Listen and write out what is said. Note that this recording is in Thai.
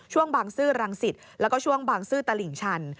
ช่วงบางซื่อลังสิตและช่วงบางซื่อตลิ่งชัน